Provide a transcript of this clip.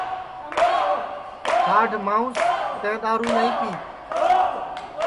کھاڈھ مانٚوس تیں دؔارو نائی پی